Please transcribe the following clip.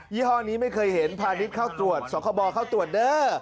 ี่ห้อนี้ไม่เคยเห็นพาณิชย์เข้าตรวจสคบเข้าตรวจเด้อ